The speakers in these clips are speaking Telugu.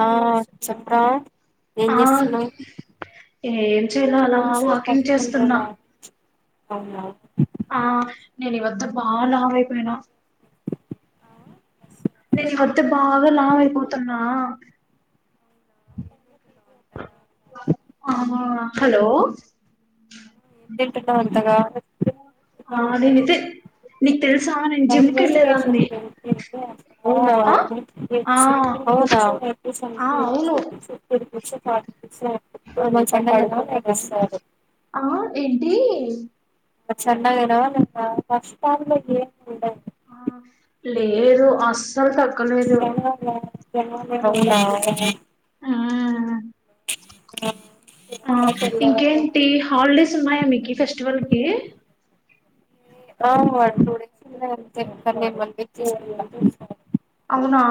ఆ చెప్రా ఏం ఆ చేస్తున్నావ్ ఏం చేయ్ లా అలా వాకింగ్ చేస్తున్నా అవునా ఆ నేను ఈ వద్ద బా లావైపోయినా నే నీ వద్ద బాగా లావైపోతున్నా ఆహా హలో తింటనావ్ అంతగా ఆ నేనైతే నీకు తెలుసా నేను జిమ్కి రైల్వే స్టేషన్ వెళ్ళలేదాన్ని కి [inaudible] అవునా అవున సర కొ ఆ సండే అవును వెళ్తా నైటీ వస్తా ఆ ఏంటి సండే [inaudible] ఆ లేదు అ సర్దుకోలేదు అవున ఆ ఆ ఆ ఇంకేంటి హాలిడేస్ ఉన్నాయా మీకు ఫెస్టివల్ కి ఆ టూ డేస్ ఉన్నాయి అంతి అవునా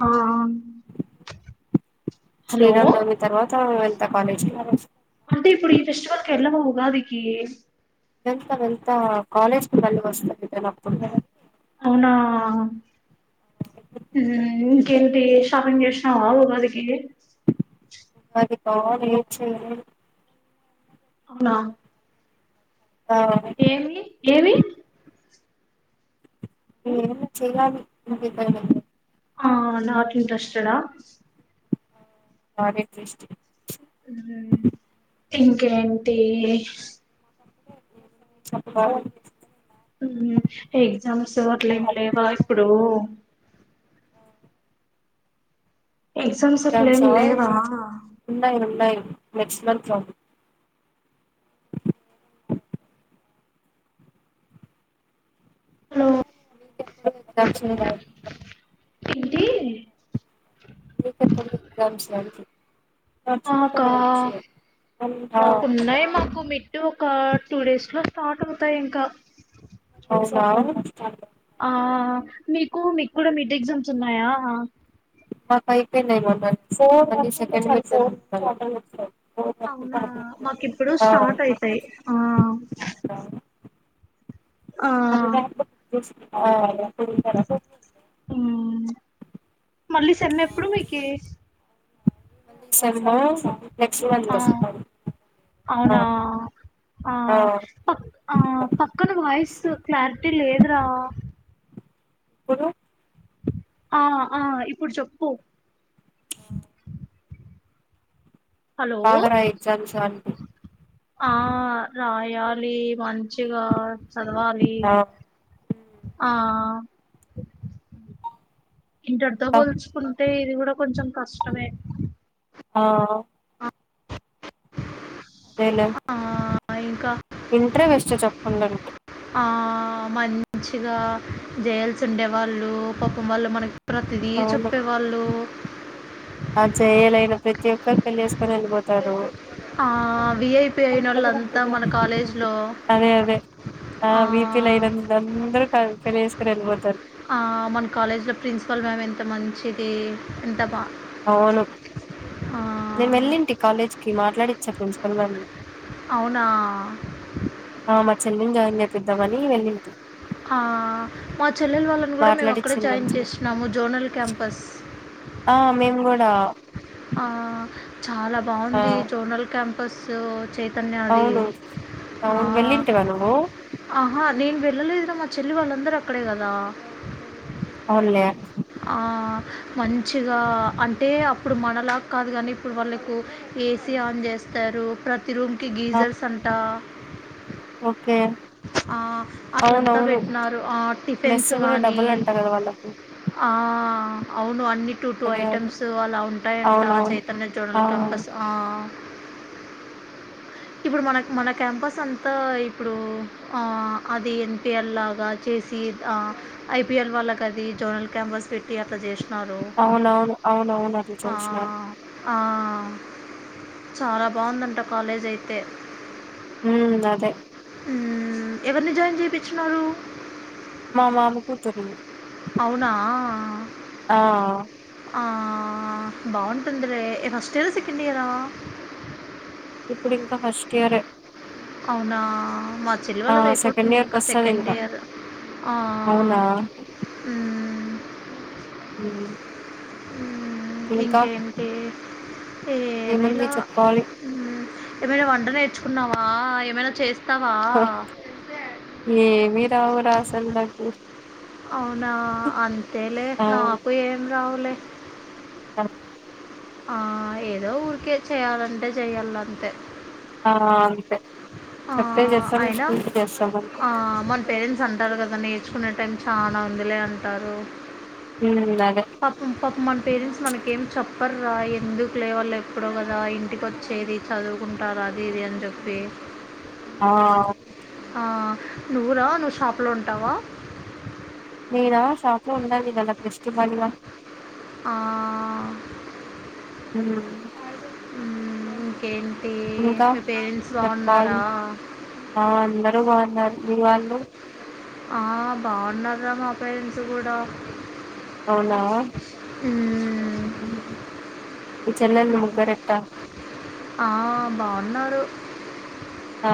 అ హలో శ్రీరామా నవమి తర్వాత ఎల్టవ కాలేజ్ అంటే ఇప్పుడు ఈ ఫెస్టివల్ కి వెళ్ళవ ఉగాదికి వెళ్తా వెళ్తా కాలేజ్ [inaudible] అవునా ఇంకేంటి షాపింగ్ చేసినావా ఉగాదికి అది కాదు చేయలేదు అవునా ఆ ఏమి ఏమి న చేయ్యాలి ఇంటికి పోయినక ఆ నాట్ ఇంట్రెస్టెడ్ ఆ బాగా ఇంట్రెస్ట్ ఇంకేంటి చెప్పాలి ఎగ్జామ్స్ అట్లా ఏం లేవ ఇప్పుడు ఎగ్జామ్స్ అట్లే ఏం లేవా నై నెక్స్ట్ మంత్ లో హలో ఎగ్జామ్ ఏంటి మీకు ఎప్పుడూ ఎగ్జామ్ అండి మాకా ఆ మాకున్నాయి మాకు మిడ్ ఒక టూ డేస్ లో స్టార్ట్ అవుతాయి ఇంకా వునా ఆ మీకు మీకు కూడా మిడ్ ఎగ్జామ్స్ ఉన్నాయా మాకు అయిపోనయి మొన్ననె సెకండ్ అవునా మాకు ఇప్పుడు ఆ స్టార్ట్ అయితాయి ఆ ఆ అది కాక పోతే ఇ ఆ ఎప్పుడూ ఉందా అం మళ్ళీ సెమ్ ఎప్పుడు మీకి సెమ్ నెక్స్ట్ మంత్ ఆ వస్తాను ఆ అవునా ఆ ప ఆ పక్కన వాయిస్ క్లారిటీ లేదురా పు ఆ ఆ ఇప్పుడు చెప్పు హలో బాగరాయ్ ఎగజామ్స్ అంటి ఆ రాయాలీ మంచిగా చదవాలి ఆ ఆ ఇంటర్ తో అంతా పోల్చుకున్ టె ఇది గూడ కొంచం కష్టమే ఆ అదేలె ఆ ఇంకా ఇంట్రే బెస్ట్ చెప్పలంటె ఆ మంచిగా జెఎల్స్ ఉండేవాళ్ళు పాపం వాళ్ళు మనకి ప్రతిదీ అవును చెప్పేవాళ్ళు ఆ చేయలేని ప్రతి ఒక్కరు పెళ్ళి వేసుకొని వెళ్ళిపోతారు విఐపి అయిన వాళ్ళంతా మన కాలేజ్లో ఆ వీపి లు ఐదంద అందరు పెళ్లి చేసుకొని వెళ్ళిపోతారు మన కాలేజ్లో ప్రిన్సిపల్ మ్యామ్ ఎంత మంచిది ఎంత బాగా అవును నేను వెళ్ళింటి కాలేజ్ కి మాట్లాడిచ్చ ప్రిన్స్ [unintelligible] అవునా ఆ మ చెల్లిని జాయిన్ జెపిద్దమని అని వెళ్ళింటి ఆ మా చెల్లెల్ వాళ్ళను కూడా మేము అక్కడే మాట్లాడిచ్చింది జాయిన్ మంచిగా చేస్నాము జోనల్ క్యాంపస్ ఆ మేము కూడా ఆ చాలా ఆ బాగుంది జోనల్ క్యాంప్ పస్ చే చేతాన్య ది అవును ఆ అవును వెళ్ళింటివా నువ్వు ఆహా నేను పెడ్ పిలువ లేదురా మా చెల్లి వాళ్ళందరూ అక్కడే కదా అవునులే మంచిగా అంటే ఇప్పుడు మనలా కాదు కానీ ఇప్పుడు వాళ్ళకు ఏసీ ఆన్ చేస్తారు ప్రతి తి రూమ్కి ఆ గీజర్స్ అంటా ఓకే ఆ అట్లంతా అవునవును పెట్టినన్నారు ఆ మెస్ టిఫిన్స్ కూడా గానీ డబ్బులు అంట కదా వాళ్ళకి ఆ అవును అన్ని టూ టూ అదే అదే ఐటమ్స్ అలా ఉంట ఎంట అవునవును చైతన్య ఆ జోనల్ క్యాంపస్ ఇప్పుడు మన మన క్యాంపస్ అంతా ఇప్పుడు ఆ అది ఎన్పిఎల్ లాగా చేసి ఆ ఐపీఎల్ వాళ్ళ కా అది జోనల్ క్యాంపస్ పెట్టి అట్లా చేస్ అవునవును అవునవునుది ఆ, చూస్నాన్ ఆ చాలా బాగుందంట కాలేజ్ అయితే ఉమ్ అదే మ్ ఎవరిని జాయిన్ చేపించినారు మా మామ కూతురిని అవునా ఆ ఆ బాగుంటుంది లే ఫస్ట్ ఇయరా సెకండ్ ఇయరా ఇప్పుడు ఇంకా ఫస్ట్ ఇయరే అవునా మా చెల్లి ఆ వాళ్ళది సెకండ్ అయిపోతుంది ఇయర్ కి ఇంకా వస్తది సెకండ్ ఇంకా ఇయర్ ఆ అవునా మ్ ఈ ఉమ్ ఇంకేంటి ఏముంది ఏమిలా చెప్పాలి ఉహ్మ్ ఏమైనా వంట నేర్చుకున్నావా ఏమైనా చేస్ తవా రావు రా అసలు నాకు అవునా అంతేలే ఆ నాకు ఏం రావులే అ ఆ ఏదో ఊరికే చెయ్యాలంటే చెయ్యాలంతే ఆ పె చెప్తే చేస్తాం అయినా చూసి చేస్తాం అంతె ఆ, మన పేరెంట్స్ అంటారు కదా నేర్చుకునే టైం చాలా ఉందిలే అంటారు ఉమ్ అదే పాపం పాపం మన పేరెంట్స్ మనకేం చోప్ పర్ ఎందుకు లే వాళ్ళు ఎప్పుడో కదా ఇంటికి వచ్చేది చదువుకుంటార అది ఇది అని చెప్పి ఆ ఆ నువ్వురా నువ్వు షాప్లో ఉంటావా మీరా షాప్ లో ఉండాలి కద [unintelligible] ఇవ్వాలి గ ఆ హ్మ్ హ్మ్ ఇంకేం ఇంకా చెప్పాలి ఆ అందరు అందరూ బాగున్నారు మీ వాళ్ళు ఆ బాగున్నారు మా పేరెంట్స్ కూడా అవునా మీ చెల్లెల్లు ముగ్గురు ఏటా ఆ బాగున్నారు ఆ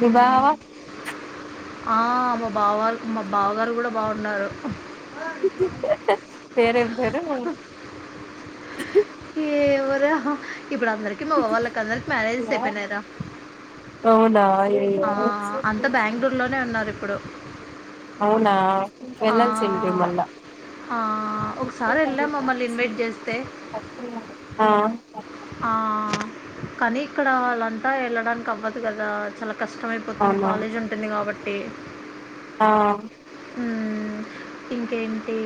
మీ బావా ఆ మా బావాలు మా బావగారు కూడా బాగున్నారు పేరు ఎం పేరు ఏయ్ ఎవరోహ్ ఇప్పుడు అందరికి మా అవ్వ వాళ్ళకి అందరికి మ్యారేజెస్ అయిపోయినారా నా ఆ అంతా బాంగళూరు లోనే ఉన్నారు ఇప్పుడు అవునా ఆ! వేల్సింటివి మళ్ళ ఆ! ఒకసారెళ్ళాం మమ్మల్ని ఇన్వైట్ జేస్తే. ఆ ఆ కానీ ఇక్కడ వాళ్ళంతా వెళ్ళడానికి అవ్వదు కదా చాల కష్టమయిపోతుంది అవునా కాలేజ్ ఉంటుంది కాబ టే ఆ హ్మ్ ఇంకేంటి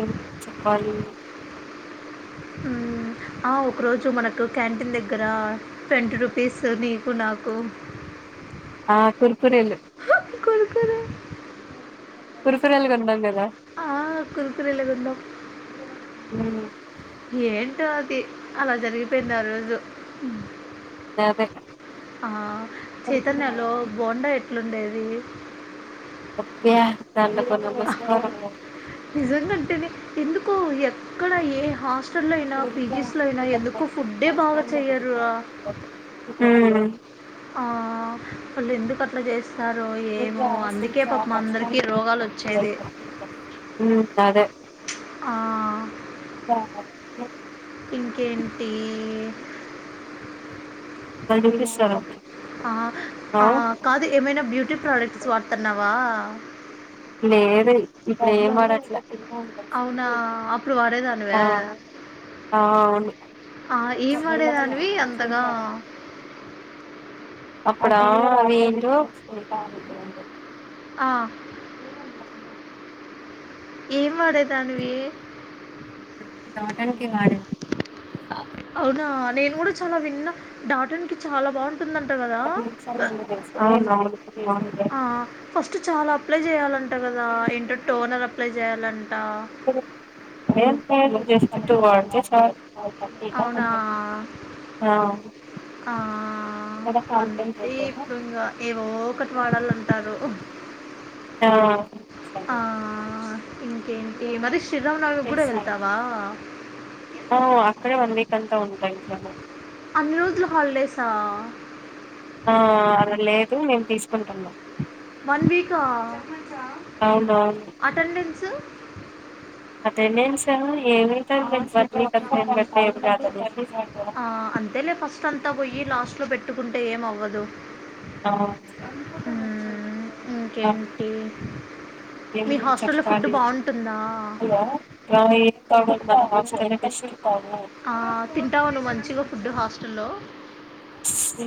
ఎం బాలీవుడ్ హ్మ్ ఆ ఒకరోజు మనకు క్యాంటీన్ దగ్గర ట్వంటీ రూపీస్ నీకు నాకు ఆ కురుకూరెలు కురుకురే కురుకూరెలు కొనం కదా ఆ కురుకురేల్ ఉండవ్ హ్మ్ ఏంటో అది అలా జరిగిపోయింది ఆ రోజు అద అదే ఆ చైతన్యలో బోండా ఎ అట్లుండేవి అప్పే ఎంట కొ ప్రశ్న నిజంగంటేనే ఎందుకో ఎక్కడ ఏ హాస్ట హస్టల్లో అయినా, పీజీస్లో అయినా, ఎందుకు ఫుడ్డే బాగా చెయ్యరు. ఆ వాళ్ళు ఎందుకు అట్లా చేస్త అందరికీ రోగాలు వచ్చేది [unintelligible] ఇ అదే ఆ [unintelligible] ఇంకేంటి మషర -కాదు ఏమైనా బ్యూటీ ప్రొడక్ట్స్ వాడుతన్నావా. [unintelligible] లేదె ఇప్పుడు ఎమ్ వాడట్లే అవునా అప్పుడు వాడేదానివ్య ఆ ఆ అవును ఆ ఎమ్ వాడేదానివి అంతగా. అప్పుడా ఏందో ఆ, ఎమ్ వా లోటస్ క్రీమ్ వాడేదాన్ని అవునా నేను గుడ చాలా విన్నా డాటన్కి చాలా బా - [unintelligible] ఆ అవును ఆ! ఫస్ట్ చాలా అప్లై చేయాలంట కదా ఇంటొ టొనర్ అప్లై చేయాలం [unintelligible] [unintelligible] అవునా ఆ ఆ అంతే ఇప్పుడు ఇంకా ఏవో ఒకటి వాడాల అంటారు. ఆ ఇంకేంటి మరిస్ స్ అక్కడే వన్ వీక్ -వెళతాను అన్ని రోజులు హాల్డేసా ఆ అలా లేదు [unintelligible] వన్ వీకా అవునవును అటెండెన్స్ [unintelligible] అటెండెన్స్ ఏమో ఏమి [unintelligible] ఆ అంతేలే ఫస్ట్ అంతా బోయ్యి లా లాస్టులో బెట్టుకుంటే ఏం అవ్వదు ఆ ఊ ఇంకేంటి ఏం మీ హాస్టల్లో ఫుడ్ చెప్పాలి బావుంటుందా [inaudible] ఆ తింటావా నువ్వు మంచిగా ఫుడ్డు హాస్టల్లో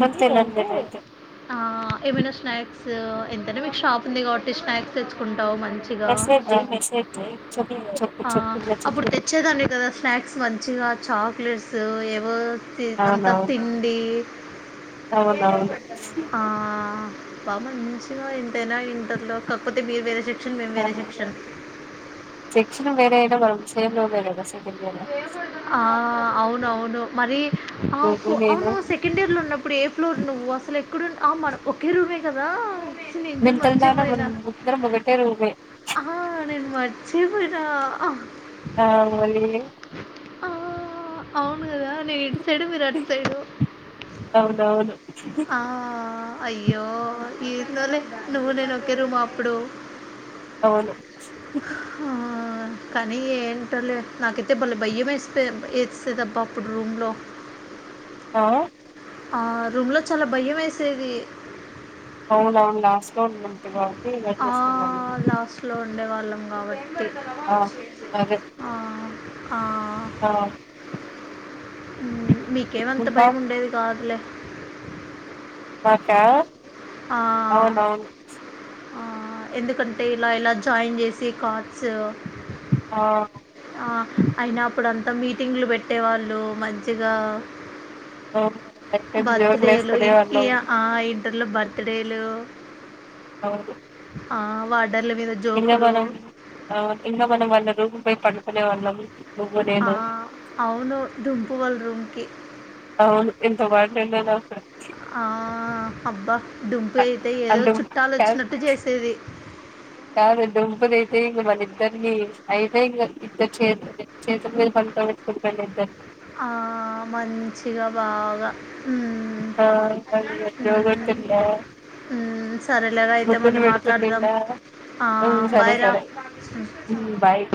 నాకు తెలన్ది [inaudible] ఆ ఏమైనా స్నాక్స్ ఎంతైనా మీకు షాప్ ఉంది కాబట్టి స్నాక్స్ తెచ్చుకున్ మెసేజ్ జైయ్ మెసేజ్ జైయ్ ఆ అప్పుడు తెచ్చేదానివి కదా స్నాక్స్ మంచిగా చాక్లెట్స్ ఏవో చేతంత అవునవును తిండి అవునవును ఆ బామ్మ నీ మంచిగా [unintelligible] ఎంతైనా [unintelligible] కాకపోతే మీరు వేరే చెట్ క్షన్ మేము వేరే సెక్షన్ క్షన్ వేరే అయిన మనం ఆమె రూమ్ [unintelligible] ఆ అవునవును మరి ఆ అప్ నువ్వు నేను అవును సెకండ్ ఇయర్ లో ఉన్నప్పుడు ఏ ఫ్లోర్ నువ్వు అసలు ఎక్కడున్ ఆ మనం ఒకే రూమే కదా ఛీ! నేను జూడు మెంటల్ దాన మర్చిపోయినా. మనం ఇద్దరమూ ఒక్కటే రూమే ఆ! [unintelligible] ఆ ఆ మరి ఆ అవును కదా నేను ఎ కానీ మీరు అట్ సైడు అవునవును ఆ అయ్యో ఏందోలే నువ్వు నేను ఇద్దరం అప్పుడు అవును ఆ! కానీ ఎంటోలే నాకైతే బలే భయ్యం వేసి ఏసేదబ్బా అప్పుడు రూమ్ లో ఆ ఆ రూమ్ లో చాలా బయ్యం వేసేది అవునవును లాస్ట్లో ఉన్నాం కదా బయం వేస్తుంది అందుకు లాస్ట్లో ఉండేవాళ్ళం కాబట్టీ అదే ఆ ఆ ఉ మీకేమంత ఇంకా భయం ఉండేది కాదులే మాకా అవునవును ఆ ఎందుకంటే ఇలా ఇలా జాయిన్ చేసి కార్డ్స్ ఆ ఆ అయినా అప్పుడు అన్ తం మీటింగ్ులు పెట్టేవాళ్ళు మంచిగా అ బర్త్ డేలు ఇన్ ఆ ఇంటర్లో బర్త్ ర్తడేలు అవును ఆ వా ఎింగా మనం ఎంగా మనం మళ్ారదు పోయి పడుకునే వాళ్ళం నువ్వు ఆ నేను అవును దుంపు వాళ్ళ రూమ్ కి అవును ఎంత వార్డెన్ట్ అయినా సరే ఆ హబ్బా డుంపు అయితే ఏదో అందు చుట్టాలు కాదు వచ్చినట్టు చేసేది కాదు దుంపుదైతే ఇంగ మన ఇద్దరిని అయితే ఇంకా ఇద్దరు చే చేతుల మీద పడుకొ పెట్టుకుంట్టుండే ఇద్దరిని ఆ మంచిగా బాగా సరేలేరా అయితే మళ్ళీ మాట్లాడదాం సరే బాయ్ రా సరే బయ్